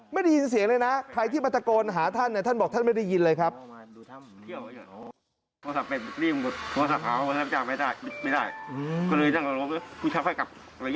ไม่ได้ยินเสียงเลยนะใครที่มาตะโกนหาท่านท่านบอกท่านไม่ได้ยินเลยครับ